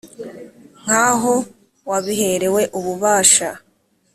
nkaho wabiherewe ububasha”